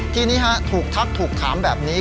ทีนี้ถูกทักถูกถามแบบนี้